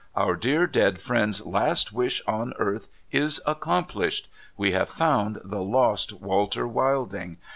Our dear dead friend's last \tish on earth is accomplished. We have found the lost Walter Wilding.